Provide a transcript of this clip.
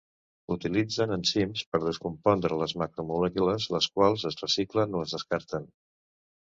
Utilitzen enzims per descompondre les macromolècules, les quals es reciclen o es descarten.